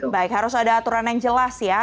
baik harus ada aturan yang jelas ya